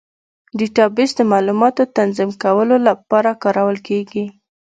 ډیټابیس د معلوماتو تنظیم کولو لپاره کارول کېږي.